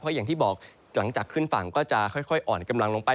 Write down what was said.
อย่างที่บอกหลังจากขึ้นฝั่งก็จะค่อยอ่อนกำลังลงไป